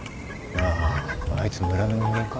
なああいつ村の人間か？